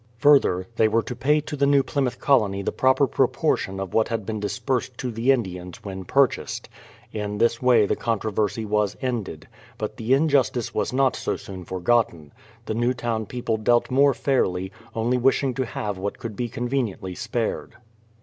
Further, they were to pay to the New Plymouth colony the proper proportion of what had been disbursed to the Indians when purchased. In this way the controversy was ended; but the injustice was not so soon forgotten. The Newtown people dealt more fairly, only wishing to have what could be conveniently spared.